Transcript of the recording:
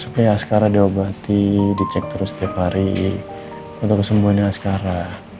supaya asgara diobati dicek terus tiap hari untuk kesembuhan asgara